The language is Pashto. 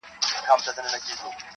خو زموږ پر کلي د غمونو بارانونه اوري -